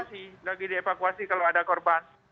lagi dievakuasi lagi dievakuasi kalau ada korban